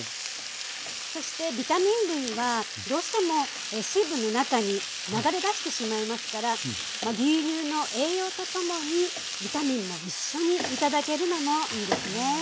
そしてビタミン群はどうしても水分の中に流れ出してしまいますから牛乳の栄養とともにビタミンも一緒に頂けるのもいいですね。